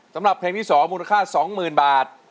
สำหรับเพลงที่๒มูลค่า๒๐๐๐บาท